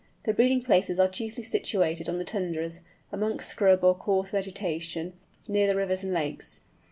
The breeding places are chiefly situated on the tundras, amongst scrub or coarse vegetation, near the rivers and lakes.